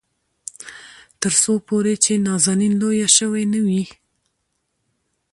تر څو پورې چې نازنين لويه شوې نه وي.